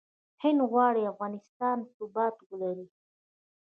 هند غواړي افغانستان ثبات ولري.